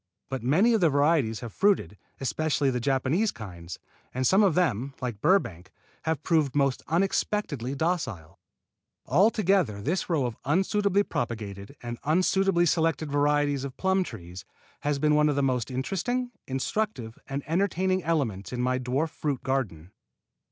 But many of the varieties have fruited, especially the Japanese kinds, and some of them, like Burbank, have proved most unexpectedly docile. Altogether this row of unsuitably propagated and unsuitably selected varieties of plum trees has been one of the most interesting, instructive and entertaining elements in my dwarf fruit garden.